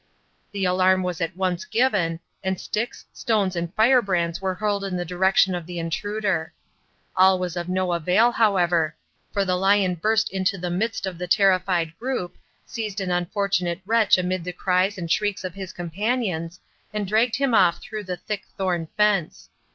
The alarm was at once given, and sticks, stones and firebrands were hurled in the direction of the intruder. All was of no avail, however, for the lion burst into the midst of the terrified group, seized an unfortunate wretch amid the cries and shrieks of his companions, and dragged him off through the thick thorn fence.